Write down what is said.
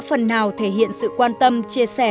phần nào thể hiện sự quan tâm chia sẻ